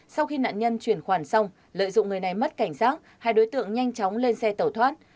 sau khi nạn nhân chuyển khoản xong lợi dụng người này mất cảnh giác hai đối tượng nhanh chóng lên xe tẩu thoát